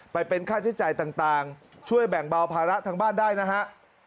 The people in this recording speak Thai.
ไปเป็นค่าใช้จ่ายต่างช่วยแบ่งเบาภาระทางบ้านได้นะฮะ